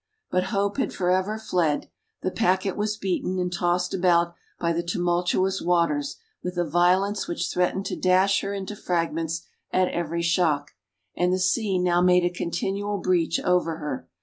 But hope had forever fled; the packet was beaten and tossed about by the tumultuous waters with a violence which threatened to dash her into fragments at every shock, and the sea now made a continual breach over her.